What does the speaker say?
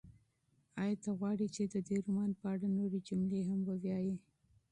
ایا ته غواړې چې د دې رومان په اړه نورې جملې هم ولولې؟